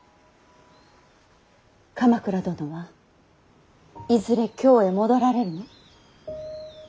鎌倉殿はいずれ京へ戻られるの？